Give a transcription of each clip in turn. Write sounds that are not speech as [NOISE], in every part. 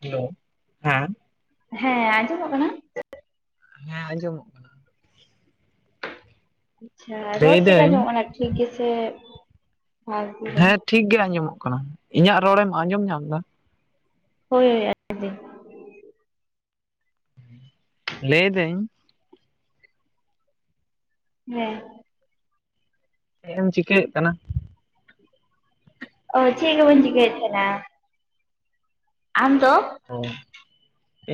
Hello ᱦᱮᱸ ᱦᱮᱸ ᱟᱸᱡᱚᱢᱚᱜ ᱠᱟᱱᱟ ᱦᱮᱸ ᱟᱸᱡᱚᱢᱚᱜ ᱠᱟᱱᱟ ᱟᱪᱪᱷᱟ ᱨᱚᱲ ᱪᱮᱠᱟ ᱞᱟᱹᱭᱫᱟᱹᱧ ᱟᱸᱡᱚᱢᱚᱜ ᱠᱟᱱᱟ ᱴᱷᱤᱠ ᱜᱮᱥᱮ ᱦᱮᱸ [UNINTELLIGIBLE] ᱴᱷᱤᱠ ᱜᱮ ᱟᱸᱡᱚᱢᱚᱜ ᱠᱟᱱᱟ ᱤᱧᱟᱜ ᱨᱚᱲᱮᱢ ᱟᱸᱡᱚᱢ ᱧᱟᱢᱫᱟ ᱦᱳᱭ ᱦᱳᱭ ᱟᱫᱤᱧ ᱞᱟᱹᱭ ᱫᱟᱹᱧ ᱦᱮᱸ ᱪᱮᱫ ᱮᱢ ᱪᱤᱠᱟᱹᱭᱮᱫ ᱠᱟᱱᱟ ᱚ ᱪᱮᱫᱜᱮ ᱵᱟᱹᱧ ᱪᱤᱠᱟᱹᱭᱮᱫ ᱛᱟᱦᱮᱱᱟ ᱟᱢᱫᱚ ᱚ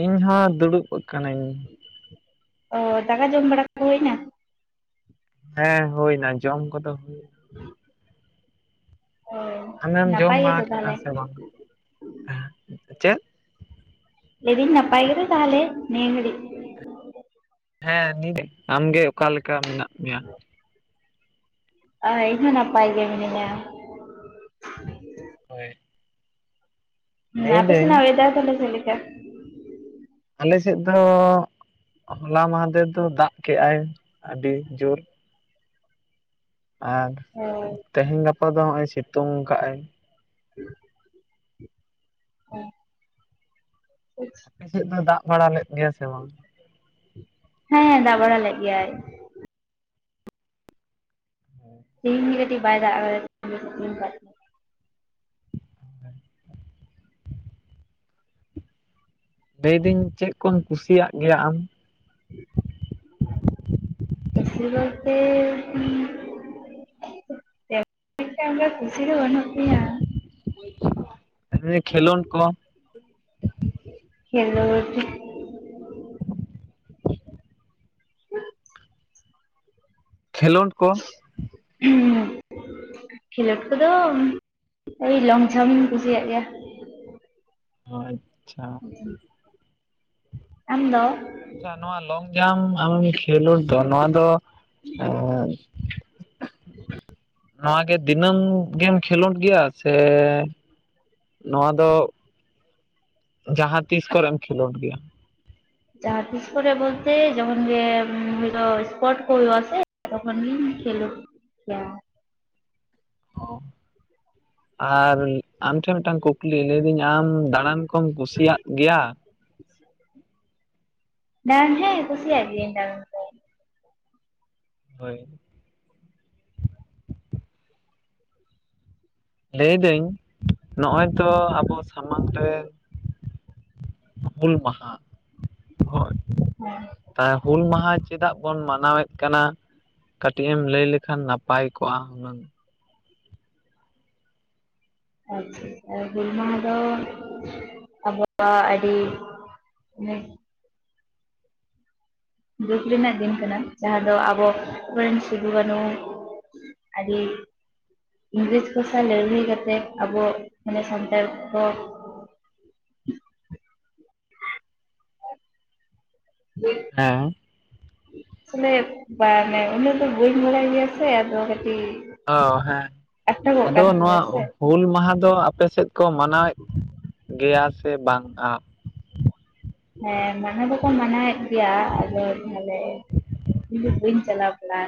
ᱤᱧ ᱦᱚᱸ ᱫᱩᱲᱩᱵ ᱟᱠᱟᱱᱟᱹᱧ ᱚ ᱫᱟᱠᱟ ᱡᱚᱢ ᱵᱟᱲᱟ ᱠᱚ ᱦᱩᱭ ᱱᱟ? ᱦᱮᱸ ᱦᱩᱭᱱᱟ ᱡᱚᱢ ᱠᱚᱫᱚ ᱦᱩᱭᱱᱟ᱾ ᱚ ᱟᱢᱮᱢ ᱡᱚᱢ ᱱᱟᱯᱟᱭ ᱜᱮᱛᱚ ᱵᱟᱲᱟ ᱠᱮᱜᱼᱟ ᱛᱟᱦᱚᱞᱮ ᱥᱮ ᱵᱟᱝᱟ ᱦᱮᱸ ᱪᱮᱫ? ᱞᱟᱹᱭᱫᱟᱹᱧ ᱱᱟᱯᱟᱭ ᱜᱮᱵᱤᱱ ᱛᱟᱦᱚᱞᱮ ᱱᱤᱭᱟᱹ ᱜᱷᱟᱲᱤᱜ ᱦᱮᱸ ᱱᱤᱫ ᱟᱢᱜᱮ ᱚᱠᱟ ᱞᱮᱠᱟ ᱢᱮᱱᱟᱜ ᱢᱮᱭᱟ? ᱟ ᱤᱧ ᱦᱚᱸ ᱱᱟᱯᱟᱭ ᱜᱮ ᱢᱤᱱᱟᱹᱧᱟ ᱦᱳᱭ ᱦᱩᱸ ᱟᱯᱮ ᱞᱟᱹᱭᱫᱟᱹᱧ ᱥᱮᱱᱟᱜ ᱳᱭᱮᱫᱟᱨ ᱠᱚᱫᱚ ᱪᱮᱜ ᱞᱮᱠᱟ? ᱟᱞᱮ ᱥᱮᱫ ᱫᱚ ᱦᱚᱞᱟ ᱢᱟᱦᱟᱫᱮᱨ ᱫᱚ ᱫᱟᱜ ᱠᱮᱜᱟᱭ ᱟᱹᱰᱤ ᱡᱩᱨ ᱟᱨ ᱚ ᱛᱮᱸᱦᱮᱸᱧ ᱜᱟᱯᱟ ᱫᱚ ᱦᱚᱸᱜᱼᱚᱭ ᱥᱤᱛᱩᱝ ᱠᱟᱜᱼ ᱟᱭ [INAUDIBLE] ᱚᱸ [INAUDIBLE] ᱟᱯᱮ ᱥᱮᱫ ᱫᱚ ᱫᱟᱜ ᱵᱟᱲᱟ ᱞᱮᱫ ᱜᱮᱭᱟ ᱥᱮ ᱵᱟᱝ ᱦᱮᱸ ᱫᱟᱜ ᱵᱟᱲᱟ ᱞᱮᱫ ᱜᱮᱭᱟᱭ᱾ ᱦᱮᱸ ᱛᱮᱦᱤᱧ ᱜᱮ ᱠᱟᱹᱴᱤᱡ ᱵᱟᱭ ᱫᱟᱜ᱾ [UNINTELLIGIBLE] [INAUDIBLE] ᱞᱟᱹᱭᱫᱟᱹᱧ ᱪᱮᱫ ᱠᱚᱢ ᱠᱩᱥᱤᱭᱟᱜ ᱜᱮᱭᱟ ᱟᱢ? [INAUDIBLE] ᱠᱩᱥᱤ ᱵᱚᱞ ᱛᱮᱸ ᱩᱸ ᱛᱮ ᱮᱠᱴᱟ ᱩᱱᱟᱜ ᱠᱚᱥᱤ ᱫᱚ ᱵᱟᱱᱩᱜ ᱛᱤᱧᱟ᱾ ᱠᱷᱮᱞᱚᱱ ᱠᱚ᱾ ᱠᱷᱮᱞᱚᱴ [INAUDIBLE] ᱠᱷᱮᱞᱳᱰ ᱠᱚ ᱦᱩᱸ ᱠᱷᱮᱞᱳᱰ ᱠᱚᱫᱚ ᱳᱭ ᱞᱚᱝ ᱡᱷᱟᱢᱯ ᱤᱧ ᱠᱩᱥᱤᱭᱟᱜ ᱜᱮᱭᱟ᱾ ᱚ ᱟᱪᱪᱷᱟ᱾ ᱟᱢ ᱫᱚ? ᱟᱪᱪᱷᱟ ᱱᱚᱣᱟ ᱞᱚᱝ ᱡᱷᱟᱢᱯ ᱟᱢᱮᱢ ᱠᱷᱮᱞᱳᱰ ᱫᱚ ᱱᱚᱣᱟ ᱫᱚ ᱮ ᱱᱚᱣᱟ ᱜᱮ ᱫᱤᱱᱟᱹᱢ ᱜᱮᱢ ᱠᱷᱮᱞᱳᱰ ᱜᱮᱭᱟ? ᱥᱮ ᱱᱚᱣᱟ ᱫᱚ ᱡᱟᱦᱟᱸ ᱛᱤᱥ ᱠᱚᱨᱮᱢ ᱠᱷᱮᱞᱳᱰ ᱜᱮᱭᱟ? [INAUDIBLE] ᱡᱟᱦᱟᱸ ᱛᱤᱥ ᱠᱚᱨᱮ ᱵᱚᱞᱛᱮ ᱡᱠᱷᱚᱱ ᱜᱮ ᱦᱚᱭ ᱛᱚ ᱥᱯᱳᱴ ᱠᱚ ᱦᱚᱭᱳᱜᱼᱟ ᱥᱮ ᱛᱚᱠᱷᱚᱱ ᱜᱮᱧ ᱠᱷᱮᱞᱳᱜ ᱭᱟ᱾ ᱚᱸᱦ [INAUDIBLE] ᱟᱨ ᱟᱢᱴᱷᱮᱱ ᱢᱤᱫᱴᱟᱝ ᱠᱩᱠᱞᱤ ᱞᱟᱹᱭᱫᱟᱹᱧ ᱟᱢ ᱫᱟᱬᱟᱱ ᱠᱚᱢ ᱠᱩᱥᱤᱭᱟᱜ ᱜᱮᱭᱟ? ᱦᱮᱸ ᱦᱮᱸ ᱠᱷᱩᱥᱤᱭᱟᱜ ᱜᱤᱭᱟᱧ ᱫᱟᱨᱟᱱ ᱠᱚ᱾ ᱦᱳᱭ᱾ ᱞᱟᱹᱭ ᱫᱟᱹᱧ ᱱᱚᱜᱼᱚᱭ ᱛᱚ ᱟᱵᱚ ᱥᱟᱢᱟᱝ ᱨᱮ ᱦᱩᱞ ᱢᱟᱦᱟ ᱠᱷᱚᱡ ᱦᱮᱸ ᱮᱸ ᱦᱩᱞ ᱢᱟᱦᱟ ᱪᱮᱫᱟᱜ ᱵᱚᱱ ᱢᱟᱱᱟᱣᱮᱫ ᱠᱟᱱᱟ? ᱠᱟᱹᱴᱤᱡ ᱮᱢ ᱞᱟᱹᱭ ᱞᱮᱠᱷᱟᱱ ᱱᱟᱯᱟᱭ ᱠᱚᱜᱼᱟ᱾ ᱦᱩᱱᱟᱹᱝ ᱟᱪᱪᱷᱟ ᱦᱩᱞ ᱢᱟᱦᱟ ᱫᱚ ᱟᱵᱚᱣᱟᱜ ᱟᱹᱰᱤ ᱱᱮᱸᱦ ᱫᱩᱠ ᱨᱮᱱᱟᱜ ᱫᱤᱱ ᱠᱟᱱᱟ ᱡᱟᱦᱟᱸ ᱫᱚ ᱟᱵᱚ ᱟᱵᱚᱨᱮᱱ ᱥᱤᱫᱷᱩᱠᱟᱱᱩ ᱟᱹᱰᱤ ᱤᱝᱨᱮᱡᱽ ᱠᱚ ᱥᱟᱶ ᱞᱟᱹᱲᱦᱟᱹᱭ ᱠᱟᱛᱮ ᱟᱵᱚ ᱢᱟᱱᱮ ᱥᱟᱱᱛᱟᱲ ᱠᱚᱠᱚ [UNINTELLIGIBLE] ᱦᱮᱸ ᱟᱥᱚᱞᱮ [UNINTELLIGIBLE] ᱩᱱᱟᱹᱜ ᱫᱚ ᱵᱟᱹᱧ ᱵᱟᱲᱟᱭ ᱜᱮᱭᱟ ᱥᱮ ᱟᱫᱚ ᱠᱟᱹᱴᱤᱡ ᱚ ᱦᱮᱸ᱾ ᱟᱴᱚᱠᱚᱜ ᱟᱫᱚ ᱠᱟᱱ ᱱᱚᱣᱟ ᱛᱤᱧᱟᱹ ᱥᱮ ᱦᱩᱞ ᱢᱟᱦᱟ ᱫᱚ ᱟᱯᱮ ᱥᱮᱫ ᱠᱚ ᱢᱟᱱᱟᱣᱮᱫ ᱜᱮᱭᱟ ᱥᱮ ᱵᱟᱝᱼᱟ? ᱦᱮᱸ ᱢᱟᱱᱟᱣ ᱫᱚᱠᱚ ᱢᱟᱱᱟᱣᱮᱫ ᱜᱮᱭᱟ᱾ ᱟᱫᱚ ᱛᱟᱦᱚᱞᱮ ᱤᱧ ᱫᱚ ᱵᱟᱹᱧ ᱪᱟᱞᱟᱣ ᱠᱟᱱᱟ᱾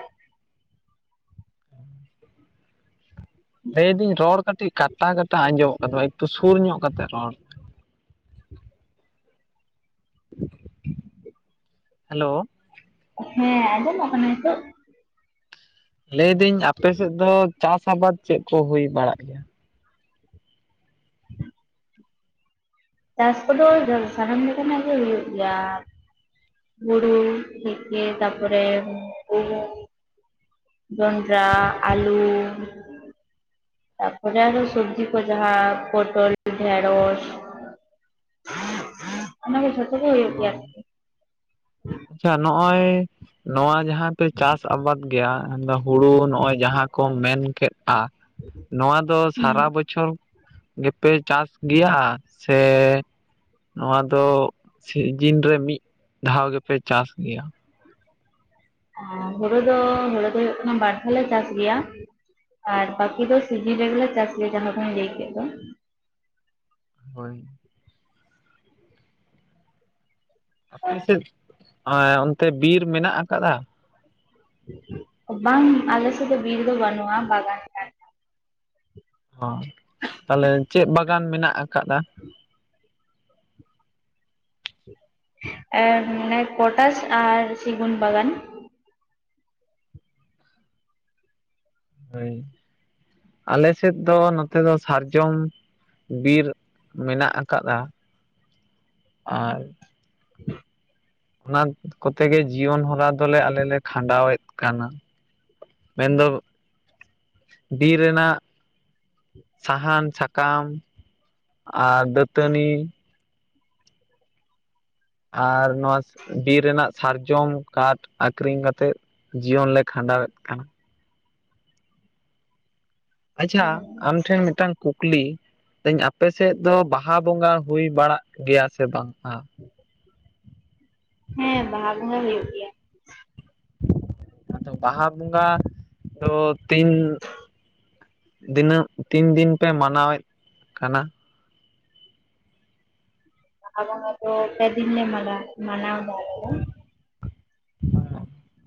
[INAUDIBLE] ᱞᱟᱹᱭᱫᱟᱹᱧ ᱨᱚᱲ ᱠᱟᱹᱴᱤᱡ ᱠᱟᱴᱟ ᱠᱟᱴᱟ ᱟᱸᱡᱚᱢᱚᱜ ᱠᱟᱱ ᱛᱟᱢᱟ ᱮᱠᱴᱩ ᱥᱩᱨ ᱧᱚᱜ ᱠᱟᱛᱮᱫ ᱨᱚᱲ᱾ ᱦᱮᱞᱳ᱾ ᱦᱮᱸ ᱟᱸᱡᱚᱢᱚᱜ ᱠᱟᱱᱟ ᱱᱤᱛᱳᱜ᱾ ᱞᱟᱹᱭᱫᱟᱹᱧ ᱟᱯᱮᱥᱮᱫ ᱫᱚ ᱪᱟᱥ ᱟᱵᱟᱫᱽ ᱪᱮᱫ ᱠᱚ ᱦᱩᱭ ᱵᱟᱲᱟᱜ ᱜᱮᱭᱟ? ᱪᱟᱥ ᱠᱚᱫᱚ ᱥᱟᱱᱟᱢ ᱞᱮᱠᱟᱱᱟᱜ ᱜᱮ ᱦᱩᱭᱩᱜ ᱜᱮᱭᱟ᱾ ᱦᱩᱲᱩ ᱛᱷᱮᱠᱮ ᱛᱟᱯᱚᱨᱮ ᱜᱩᱦᱩᱢ, ᱡᱚᱸᱰᱨᱟ, ᱟᱞᱩ, ᱛᱟᱨᱯᱚᱨᱮ ᱟᱨᱚ ᱥᱚᱵᱽᱡᱤ ᱠᱚ ᱡᱟᱦᱟᱸ ᱯᱚᱴᱚᱞ, ᱰᱷᱮᱸᱲᱚᱥ᱾ ᱚᱱᱟ ᱠᱚ ᱡᱷᱚᱛᱚ ᱜᱮ ᱦᱩᱭᱩᱜ ᱜᱮᱭᱟ ᱟᱨ ᱦᱳᱭ ᱠᱤ᱾ ᱟᱪᱪᱷᱟ ᱱᱚᱜᱼᱚᱭ ᱱᱚᱣᱟ ᱡᱟᱦᱟᱸ ᱯᱮ ᱪᱟᱥ ᱟᱵᱟᱫᱽ ᱜᱮᱭᱟ ᱦᱩᱲᱩ ᱱᱚᱜᱼᱚᱭ ᱡᱟᱦᱟᱸ ᱠᱚᱢ ᱢᱮᱱ ᱠᱮᱫ ᱟ ᱱᱚᱣᱟ ᱫᱚ ᱦᱩᱸ ᱥᱟᱨᱟ ᱵᱚᱪᱷ ᱪᱷᱚᱨ ᱜᱮᱯᱮ ᱪᱟᱥ ᱜᱮᱭᱟ ᱥᱮ ᱱᱚᱣᱟ ᱫᱚ ᱥᱤᱡᱤᱱ ᱨᱮ ᱢᱤᱫ ᱫᱷᱟᱣ ᱜᱮᱯᱮ ᱪᱟᱥ ᱜᱮᱭᱟ? ᱦᱩᱲᱩ ᱫᱚ ᱦᱩᱲᱩ ᱫᱚ ᱦᱩᱭᱩᱜ ᱠᱟᱱᱟ ᱵᱟᱨ ᱫᱷᱟᱣ ᱞᱮ ᱪᱟᱥ ᱜᱮᱭᱟ᱾ ᱟᱨ ᱵᱟᱠᱤ ᱫᱚ ᱥᱤᱡᱤᱱ ᱨᱮᱜᱮ ᱞᱮ ᱪᱟᱥ ᱜᱮᱭᱟ ᱡᱟᱦᱟᱸ ᱠᱚᱧ ᱞᱟᱹᱭ ᱠᱮᱫ ᱫᱚ᱾ ᱦᱳᱭ᱾ ᱟᱯᱮ ᱥᱮᱫ ᱮᱸᱻ ᱚᱱᱛᱮ ᱵᱤᱨ ᱢᱮᱱᱟᱜ ᱟᱠᱟᱫ-ᱟ? ᱵᱟᱝ ᱟᱞᱮ ᱥᱮᱫ ᱫᱚ ᱵᱤᱨ ᱫᱚ ᱵᱟᱹᱱᱩᱜᱼᱟ ᱵᱟᱜᱟᱱ᱾ ᱠᱟᱱ ᱦᱚᱸ, ᱛᱟᱦᱞᱮ ᱪᱮᱫ ᱵᱟᱜᱟᱱ ᱢᱮᱱᱟᱜ ᱟᱠᱟᱫ-ᱟ᱾ ᱮᱸ, ᱢᱟᱱᱮ ᱯᱚᱴᱟᱥ ᱟᱨ ᱥᱤᱜᱩᱱ ᱵᱟᱜᱟᱱ᱾ ᱦᱳᱭ, ᱟᱞᱮ ᱥᱮᱫ ᱫᱚ ᱱᱚᱛᱮ ᱫᱚ ᱥᱟᱨᱡᱚᱢ᱾ ᱵᱤᱨ ᱢᱮᱱᱟᱜ ᱟᱠᱟᱫ-ᱟ ᱟᱨ [INAUDIBLE] ᱚᱱᱟ ᱠᱚᱛᱮ ᱜᱮ ᱡᱤᱭᱚᱱ ᱦᱚᱨᱟ ᱫᱚᱞᱮ ᱟᱞᱮ ᱞᱮ ᱠᱷᱟᱸᱰᱟᱣᱮᱫ ᱠᱟᱱᱟ ᱢᱮᱱᱫᱚ ᱵᱤᱨ ᱨᱮᱱᱟᱜ ᱥᱟᱦᱟᱱ ᱥᱟᱠᱟᱢ ᱟᱨ ᱫᱟᱹᱛᱟᱹᱱᱤ᱾ ᱟᱨ ᱱᱚᱣᱟ ᱵᱤᱨ ᱨᱮᱱᱟᱜ ᱥᱟᱨᱡᱚᱢ ᱠᱟᱴ ᱟᱠᱷᱨᱤᱧ ᱠᱟᱛᱮᱫ᱾ ᱡᱤᱭᱚᱱᱞᱮ ᱠᱷᱟᱸᱰᱟᱣᱮᱫ ᱠᱟᱱᱟ᱾ ᱟᱪᱪᱷᱟ ᱟᱢ ᱴᱷᱮᱱ ᱢᱤᱫᱴᱟᱝ ᱠᱩᱠᱞᱤ [UNINTELLIGIBLE] ᱟᱯᱮ ᱥᱮᱫ ᱫᱚ ᱵᱟᱦᱟ ᱵᱚᱸᱜᱟ ᱦᱩᱭ ᱵᱟᱲᱟᱜ ᱜᱮᱭᱟ ᱥᱮ ᱵᱟᱝ? ᱟ [INAUDIBLE] ᱦᱮᱸ ᱵᱟᱦᱟ ᱵᱚᱸᱜᱟ ᱦᱩᱭᱩᱜ ᱜᱮᱭᱟ᱾ ᱟᱫᱚ ᱵᱟᱦᱟ ᱵᱚᱸᱜᱟ ᱫᱚ ᱛᱤᱱ ᱫᱤᱱᱟᱹᱜ ᱛᱤᱱ ᱫᱤᱱ ᱯᱮ ᱢᱟᱱᱟᱣᱮᱫ ᱠᱟᱱᱟ? ᱵᱟᱦᱟ ᱵᱚᱸᱜᱟ ᱫᱚ ᱯᱮ ᱫᱤᱱ ᱞᱮ ᱢᱟᱱᱟᱣ ᱢᱟᱱᱟᱣ ᱮᱫᱟ ᱟᱞᱮ ᱫᱚ᱾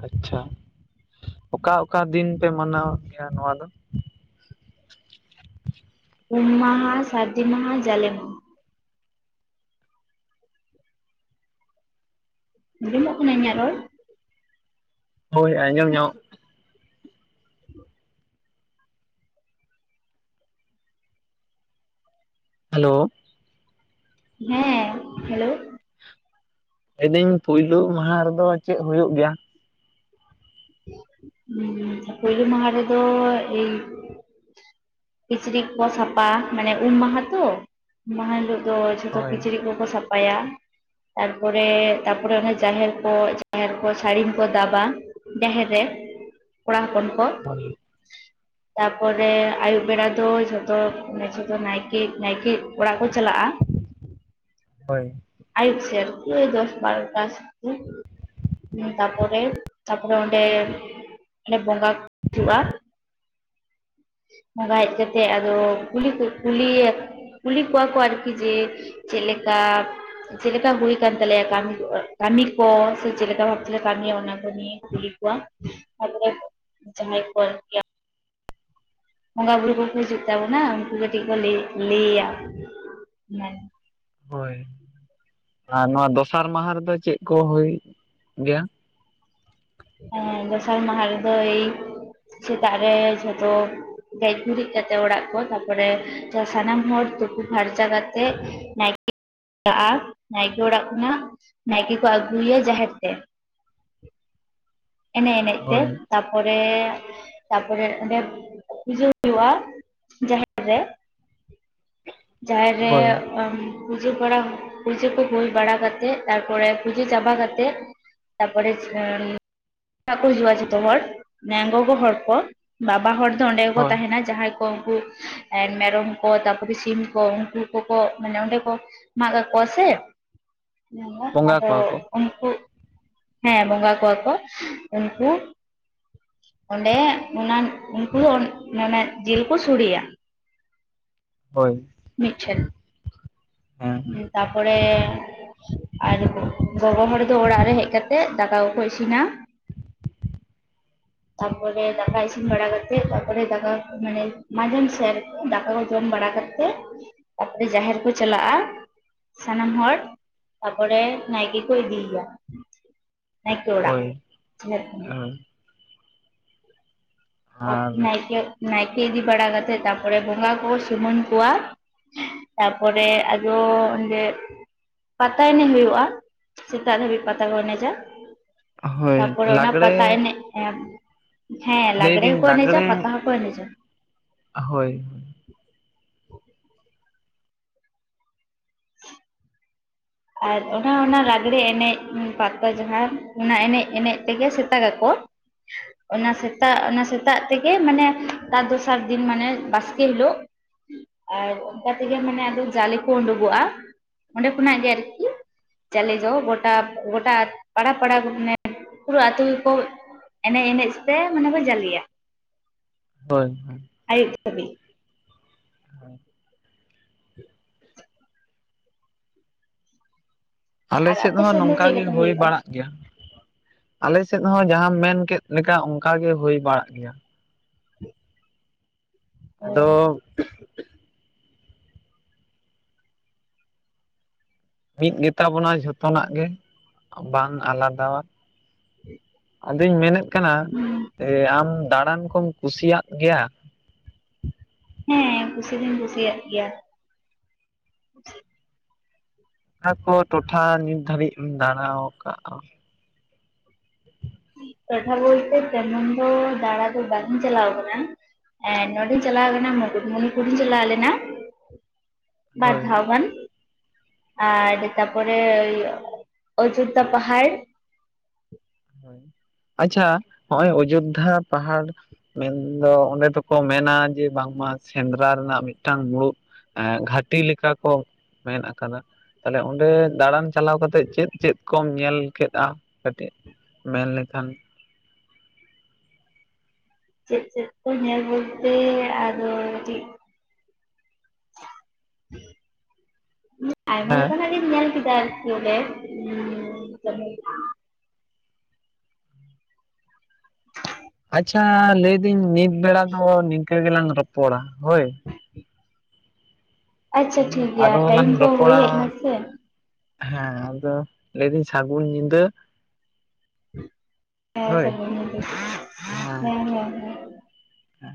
ᱟᱪᱪᱷᱟ ᱚᱠᱟ ᱚᱠᱟ ᱫᱤᱱ ᱯᱮ ᱢᱟᱱᱟᱣᱮᱫ ᱜᱮᱭᱟ ᱱᱚᱣᱟ ᱫᱚ? ᱩᱢ ᱢᱟᱦᱟ, ᱥᱟᱹᱨᱫᱤ ᱢᱟᱦᱟ, ᱡᱟᱞᱮ ᱢᱟᱦᱟ᱾ ᱟᱸᱡᱚᱢᱚᱜ ᱠᱟᱱᱟ ᱤᱧᱟᱹᱜ ᱨᱚᱲ? ᱦᱳᱭ ᱟᱸᱡᱚᱢ ᱧᱚᱜ [INAUDIBLE] ᱦᱮᱞᱳ ᱦᱮᱸ ᱦᱮᱞᱳ ᱞᱟᱹᱭᱫᱟᱹᱧ ᱯᱳᱭᱞᱳ ᱢᱟᱦᱟ ᱨᱮᱫᱚ ᱪᱮᱫ ᱦᱩᱭᱩᱜ ᱜᱮᱭᱟ? ᱦᱩᱸᱻ ᱯᱳᱭᱞᱳ ᱢᱟᱦᱟ ᱨᱮᱫᱚ ᱮᱹᱭ ᱠᱤᱪᱨᱤᱡ ᱠᱚ ᱥᱟᱯᱷᱟ ᱢᱟᱱᱮ ᱩᱢ ᱢᱟᱦᱟ ᱛᱚ ᱩᱢ ᱢᱟᱦᱟ ᱦᱤᱞᱳᱜ ᱫᱚ ᱡᱷᱚᱛᱚ ᱦᱳᱭ ᱠᱤᱪᱨᱤᱡ ᱠᱚᱠᱚ ᱥᱟᱯᱷᱟ ᱯᱟᱭᱟ ᱛᱟᱨᱯᱚᱨᱮ ᱛᱟᱯᱚᱨᱮ ᱚᱱᱟ ᱡᱟᱦᱮᱨ ᱠᱚ ᱡᱟᱦᱮᱨ ᱠᱚ ᱥᱟᱹᱲᱤᱢ ᱠᱚ ᱫᱟᱵᱟ ᱡᱟᱦᱮᱨ ᱨᱮ ᱠᱚᱲᱟ ᱦᱚᱯᱚᱱ ᱠᱚ ᱦᱳᱭ [INAUDIBLE] ᱛᱟᱯᱚᱨᱮ ᱟᱭᱩᱵ ᱵᱮᱲᱟ ᱫᱚ ᱡᱷᱚᱛᱚ ᱡᱷᱚᱛᱚ ᱱᱟᱭᱠᱮ ᱱᱟᱭᱠᱮ ᱚᱲᱟᱜ ᱠᱚ ᱪᱟᱞᱟᱜᱼᱟ᱾ [INAUDIBLE] ᱦᱳᱭ ᱟᱭᱩᱯ ᱥᱮ ᱟᱨᱠᱤ ᱫᱚᱥ ᱵᱟᱨᱚᱴᱟ ᱛᱟᱯᱚᱨᱮ ᱛᱟᱨᱯᱚᱨᱮ ᱚᱸᱰᱮᱰᱮ ᱵᱚᱸᱜᱟ ᱦᱩᱭᱩᱜᱼᱟ᱾ ᱵᱚᱸᱜᱟ ᱦᱮᱡ ᱠᱟᱛᱮᱮᱫ ᱟᱫᱚ ᱠᱩᱞ ᱠᱚ ᱠᱩᱞᱤᱭᱟ ᱠᱩᱞᱤ ᱠᱚᱣᱟ ᱠᱚ ᱟᱨᱠᱤ ᱡᱮ ᱪᱮᱫ ᱞᱮᱠᱟ- ᱪᱮᱫᱮᱠᱟ ᱦᱩᱭ ᱠᱟᱱ ᱛᱟᱞᱮᱭᱟ ᱠᱟᱹᱢᱤ ᱠᱟᱹᱢᱤ ᱠᱚ ᱥᱮ ᱪᱮᱫᱠᱟ ᱵᱷᱟᱵ ᱛᱮᱞᱮ ᱠᱟᱹᱢᱤᱭᱟ ᱚᱱᱟ ᱠᱚ ᱱᱤᱭᱟ᱾ ᱠᱩᱞᱤ ᱠᱚᱣᱟ [UNINTELLIGIBLE] ᱡᱟᱦᱟᱸᱭ [UNINTELLIGIBLE] ᱵᱚᱸᱜᱟ ᱵᱩᱨᱩ ᱠᱚᱠᱚ ᱦᱤᱡᱩᱜ ᱛᱟᱵᱚᱱᱟ ᱩᱱᱠᱩ ᱠᱟᱹᱴᱤᱡ ᱠᱚ ᱞᱚᱟᱹᱭ ᱞᱟᱹᱭᱟ ᱦᱳᱭ ᱟᱨ ᱱᱚᱣᱟ ᱫᱚᱥᱟᱨ ᱢᱟᱦᱟ ᱨᱮᱫᱚ ᱪᱮᱫ ᱠᱚ ᱦᱳᱭ ᱜᱮᱭᱟ? ᱮ ᱫᱚᱥᱟᱨ ᱢᱟᱦᱟ ᱨᱮᱫᱚ ᱮᱭ ᱥᱮᱛᱟᱜ ᱨᱮ ᱡᱷᱚᱛᱚ ᱜᱮᱡ ᱜᱩᱨᱤᱡ ᱠᱟᱛᱮᱜ ᱚᱲᱟᱜ ᱠᱚ ᱛᱟᱨᱯᱚᱨᱮ ᱥᱟᱱᱟᱢ ᱦᱚᱲ ᱛᱩᱯᱩ ᱯᱷᱟᱨᱪᱟ ᱠᱟᱛᱮᱜ᱾ [UNINTELLIGIBLE] ᱱᱟᱭᱠᱮ ᱚᱲᱟᱜ ᱠᱷᱚᱱᱟᱜ ᱱᱟᱭᱠᱮ ᱠᱚ ᱟᱹᱜᱩᱭᱟ ᱡᱟᱦᱮᱨ ᱛᱮ᱾ ᱮᱱᱮᱡ ᱮᱱᱮᱡ ᱛᱮ᱾ ᱦᱳᱭ ᱛᱟᱯᱚᱨᱮ ᱛᱟᱯᱚᱨᱮ ᱚᱸᱰᱮ ᱯᱩᱡᱟᱹ ᱦᱩᱭᱩᱜᱼᱟ ᱡᱟᱦᱮᱨ ᱨᱮ᱾ ᱡᱟᱦᱮᱨ ᱨᱮ ᱦᱳᱭ ᱯᱩᱡᱟᱹ ᱵᱟᱲᱟ ᱯᱩᱡᱟᱹ ᱠᱚ ᱦᱩᱭ ᱵᱟᱲᱟ ᱠᱟᱛᱮᱜ ᱛᱟᱨᱯᱚᱨᱮ ᱯᱩᱡᱟᱹ ᱪᱟᱵᱟ ᱠᱟᱛᱮᱫ᱾ ᱛᱟᱯᱚᱨᱮ ᱚᱲᱟᱜ ᱠᱚ ᱦᱤᱡᱩᱜᱼᱟ ᱡᱚᱛᱚ ᱦᱚᱲ ᱱᱮ ᱜᱚᱜᱚ ᱦᱚᱲ ᱠᱚ᱾ ᱵᱟᱵᱟ ᱦᱚᱲ ᱫᱚ ᱚᱸᱰᱮ ᱜᱮᱠᱚ ᱦᱳᱭ ᱛᱟᱦᱮᱱᱟ ᱡᱟᱦᱟᱸᱭ ᱠᱚ ᱩᱱᱠᱩ ᱢᱮᱨᱚᱢ ᱠᱚ, ᱛᱟᱯᱚᱨᱮ ᱥᱤᱢ, ᱩᱱᱠᱩ ᱠᱚᱠᱚ ᱢᱟᱱᱮ ᱚᱸᱰᱮ ᱠᱚ ᱢᱟᱜ ᱠᱚᱣᱟ ᱥᱮ- ᱢᱮᱱᱟ ᱵᱚᱸᱜᱟ ᱟᱫᱚ ᱠᱚᱣᱟ ᱠᱚ ᱩᱱᱠᱩ ᱦᱮᱸ ᱵᱚᱸᱜᱟ ᱠᱳᱭᱟ ᱠᱚ ᱩᱱᱠᱩ ᱚᱸᱰᱮ ᱚᱱᱟ ᱩᱱᱠᱩ ᱢᱟᱱᱮ ᱡᱮᱞ ᱠᱚ ᱥᱚᱲᱮᱭᱟ᱾ ᱦᱳᱭ ᱢᱤᱴᱷᱮᱱ ᱦᱮᱸ ᱛᱟᱯᱚᱨᱮ ᱟᱨ ᱜᱚᱜᱚ ᱦᱚᱲ ᱫᱚ ᱚᱲᱟᱜ ᱨᱮ ᱦᱮᱡ ᱠᱟᱛᱮᱫ ᱫᱟᱠᱟ ᱠᱚᱠᱚ ᱤᱥᱤᱱᱟ᱾ ᱛᱟᱯᱚᱨᱮ ᱫᱟᱠᱟ ᱤᱥᱤᱱ ᱵᱟᱲᱟ ᱠᱟᱛᱮ ᱛᱟᱯᱚᱨᱮ ᱫᱟᱠᱟ ᱢᱟᱱᱮ ᱢᱟᱡᱟᱱ ᱥᱮ ᱫᱟᱠᱟ ᱠᱚ ᱡᱚᱢ ᱵᱟᱲᱟ ᱠᱟᱛᱮ ᱛᱟᱯᱚᱨᱮ ᱡᱟᱦᱮᱨ ᱠᱚ ᱪᱟᱞᱟᱜᱼᱟ᱾ ᱥᱟᱱᱟᱢ ᱦᱚᱲ ᱛᱟᱯᱚᱨᱮ ᱱᱟᱭᱠᱮ ᱠᱚ ᱤᱫᱤᱭᱮᱭᱟ᱾ ᱱᱟᱭᱠᱮ ᱚᱲᱟᱜ ᱦᱳᱭ [UNINTELLIGIBLE] ᱦᱳᱭ ᱟᱨ [UNINTELLIGIBLE] ᱱᱟᱭᱠᱮ ᱱᱟᱭᱠᱮ ᱤᱫᱤ ᱵᱟᱲᱟ ᱠᱟᱛᱮᱜ ᱛᱟᱯᱚᱨᱮ ᱵᱚᱸᱜᱟ ᱠᱚ ᱥᱩᱢᱟᱹᱱ ᱠᱚᱣᱭᱟ᱾ ᱛᱟᱯᱚᱨᱮ ᱟᱫᱚ ᱚᱸᱰᱮ ᱯᱟᱛᱟ ᱮᱱᱮᱡ ᱦᱩᱭᱩᱜᱼᱟ ᱥᱮᱛᱟᱜ ᱫᱷᱟᱹᱵᱤᱡ ᱯᱟᱛᱟ ᱠᱚ ᱮᱱᱮᱡᱟ᱾ ᱦᱳᱭ ᱛᱟᱯᱚᱨᱮ ᱚᱱᱟ ᱯᱟᱛᱟ ᱞᱟᱜᱽᱲᱮ ᱮᱱᱮᱡ ᱦᱮᱸ ᱞᱟᱜᱽᱬᱮ ᱞᱟᱹᱭᱫᱟᱹᱧ ᱦᱚᱸᱠᱚ ᱮᱱᱮᱡᱟ ᱞᱟᱜᱽᱲᱮ ᱯᱟᱛᱟ ᱦᱚᱸ ᱠᱚ ᱮᱱᱤᱡᱟ᱾ ᱦᱳᱭ [UNINTELLIGIBLE] ᱟᱨ ᱚᱱᱟ ᱚᱱᱟ ᱞᱟᱜᱽᱲᱮ ᱮᱱᱮᱡ ᱯᱟᱛᱟ ᱡᱟᱦᱟᱸ ᱚᱱᱟ ᱮᱱᱮᱡ ᱮᱱᱮᱡ ᱛᱮᱜᱮ ᱥᱮᱛᱟᱟᱜ ᱟᱠᱚ᱾ ᱚᱱᱟ ᱥᱮᱛᱟᱜ ᱚᱱᱟ ᱥᱮᱛᱟᱜ ᱛᱮᱜᱮ ᱢᱟᱱᱮ ᱛᱟᱨ ᱫᱚᱥᱟᱨ ᱫᱤᱱ ᱢᱟᱱᱮ ᱵᱟᱥᱠᱮ ᱦᱤᱞᱳᱜ᱾ ᱟᱨ ᱚᱱᱠᱟ ᱛᱮᱜᱮ ᱢᱟᱱᱮ ᱟᱫᱚ ᱡᱟᱞᱮ ᱠᱚ ᱩᱰᱩᱠᱚᱜᱼᱟ ᱚᱸᱰᱮ ᱠᱷᱚᱱᱟᱜ ᱜᱮ ᱟᱨ ᱡᱟᱞᱮ ᱫᱚ ᱜᱚᱴᱟ ᱜᱚᱴᱟ ᱯᱟᱲᱟ ᱯᱟᱲᱟ ᱢᱟᱱᱮ ᱯᱩᱨᱟᱹ ᱟᱛᱩ ᱜᱮᱠᱩ ᱮᱱᱮᱡ ᱮᱱᱮᱡ ᱛᱮ ᱢᱟᱱᱮ ᱠᱚ ᱡᱟᱞᱮᱤᱭᱟ᱾ ᱦᱳᱭ ᱦᱳᱭ ᱟᱭᱩᱜ ᱫᱷᱟᱵᱤᱜ᱾ [UNINTELLIGIBLE] ᱟᱞᱮ ᱟᱨ ᱥᱮᱫ ᱟᱯᱮ ᱦᱚᱸ ᱫᱚ ᱱᱚᱝᱠᱟ ᱪᱮᱫ ᱜᱮ ᱞᱮᱠᱟ ᱦᱩᱭ ᱦᱩᱭᱩᱜᱼᱟ? ᱵᱟᱲᱟᱜ᱾ ᱟᱞᱮ ᱥᱮᱫ ᱦᱚᱸ ᱡᱟᱦᱟᱸᱢ ᱢᱮᱱ ᱠᱮᱫ ᱞᱮᱠᱟ ᱚᱱᱠᱟᱮ ᱦᱩᱭ ᱵᱟᱲᱟᱜ ᱜᱮᱭᱟ᱾ ᱟᱫᱚ ᱢᱤᱫ ᱜᱮ ᱛᱟᱵᱚᱱᱟ ᱡᱷᱚᱛᱚᱱᱟᱜ ᱜᱮ ᱵᱟᱝ ᱟᱞᱟᱫᱟᱣ-ᱟ᱾ [INAUDIBLE] ᱟᱫᱚᱧ ᱢᱮᱱᱮᱫ ᱠᱟᱱᱟ ᱟᱢ ᱫᱟᱬᱟᱱ ᱠᱚᱢ ᱠᱩᱥᱤᱭᱟᱜ ᱜᱮᱭᱟ ᱦᱮᱸ ᱠᱩᱥᱤ ᱫᱩᱧ ᱠᱩᱥᱤᱭᱟᱜ ᱜᱮᱭᱟ ᱚᱠᱟ ᱠᱚ ᱴᱚᱴᱷᱟ ᱱᱤᱛ ᱫᱷᱟᱹᱨᱤᱡ ᱮᱢ ᱫᱟᱬᱟ ᱟᱠᱟᱫᱼᱟ ᱴᱚᱴᱷᱟ ᱵᱚᱞᱛᱮ ᱛᱮᱢᱚᱱ ᱫᱚ ᱫᱟᱬᱟ ᱫᱚ ᱵᱟᱝᱤᱧ ᱪᱟᱞᱟᱣ ᱠᱟᱱᱟ ᱮ ᱱᱚᱸᱰᱮᱧ ᱪᱟᱞᱟᱣ ᱞᱮᱱᱟ ᱢᱩᱠᱩᱴᱢᱚᱱᱤᱯᱩᱨᱤᱧ ᱪᱟᱞᱟᱣ ᱞᱮᱱᱟ ᱦᱳᱭ ᱵᱟᱨᱫᱷᱟᱣᱜᱟᱱ ᱟᱨ ᱛᱟᱯᱚᱨᱮ ᱚᱡᱳᱫᱽᱫᱷᱟ ᱯᱟᱦᱟᱲ ᱦᱚᱭ ᱟᱪᱪᱷᱟ ᱱᱚᱜᱼᱚᱭ ᱚᱡᱳᱫᱽᱫᱷᱟ ᱯᱟᱦᱟᱲ ᱢᱮᱱᱫᱚ ᱚᱸᱰᱮ ᱫᱚᱠᱚ ᱢᱮᱱᱟ ᱡᱮ ᱵᱟᱝᱢᱟ ᱥᱮᱸᱫᱽᱨᱟ ᱨᱮᱱᱟᱜ ᱢᱤᱫᱴᱟᱝ ᱢᱩᱲᱩᱛ ᱜᱷᱟᱴᱤ ᱞᱮᱠᱟ ᱠᱚ ᱢᱮᱱ ᱟᱠᱟᱫᱟ ᱛᱟᱦᱞᱮ ᱚᱸᱰᱮ ᱫᱟᱬᱟᱱ ᱪᱟᱞᱟᱣ ᱠᱟᱛᱮᱫ ᱪᱮᱫ ᱪᱮᱫ ᱠᱚᱢ ᱧᱮᱞ ᱠᱮᱫᱼᱟ ᱠᱟᱹᱴᱤᱡ ᱢᱮᱱ ᱞᱮᱠᱷᱟᱱ ᱪᱮᱫ ᱪᱮᱫ ᱠᱚ ᱧᱮᱞ ᱵᱚᱞᱛᱮ ᱟᱫᱚ ᱴᱤᱜ [INAUDIBLE] ᱟᱭᱢᱟ ᱦᱮᱸ ᱞᱮᱠᱟᱱᱟᱜ ᱜᱮᱧ ᱧᱮᱞ ᱠᱮᱫᱟ ᱟᱨᱠᱤ ᱱᱚᱰᱮ ᱩᱸ [INAUDIBLE] ᱟᱪᱪᱷᱟ ᱞᱟᱹᱭᱫᱟᱹᱧ ᱱᱤᱛ ᱵᱮᱲᱟ ᱫᱚ ᱱᱤᱝᱠᱟᱹ ᱜᱮᱞᱟᱝ ᱨᱚᱯᱚᱲᱟ ᱦᱳᱭ ᱟᱪᱪᱷᱟ ᱦᱩᱸ ᱴᱷᱤᱠ ᱜᱮᱭᱟ ᱟᱨᱚ ᱦᱚᱸ ᱞᱟᱝ ᱴᱟᱭᱤᱢ ᱠᱚ ᱦᱩᱭ ᱨᱚᱯᱚᱲᱟ ᱦᱮᱡ ᱱᱟ ᱥᱮ ᱦᱮᱸ ᱟᱫᱚ ᱞᱟᱹᱭᱫᱟᱹᱧ ᱥᱟᱹᱜᱩᱱ ᱧᱤᱫᱟᱹ ᱦᱮᱸ ᱦᱳᱭ ᱥᱟᱹᱜᱩᱱ ᱧᱤᱫᱟᱹ ᱦᱮᱸ ᱦᱮᱸ ᱦᱮᱸ